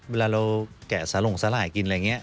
เวลาเราแกะสลงสลายกินอะไรอย่างนี้